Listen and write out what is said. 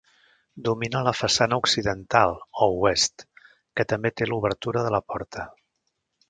Domina la façana occidental, o oest, que també té l'obertura de la porta.